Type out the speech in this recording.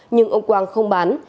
nhưng ông quang không bán